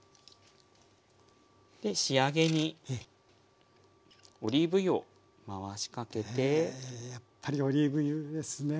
で仕上げにオリーブ油を回しかけて。へやっぱりオリーブ油ですね。